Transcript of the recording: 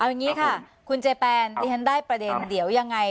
เอาอย่างนี้ค่ะคุณเจแปนดิฉันได้ประเด็นเดี๋ยวยังไง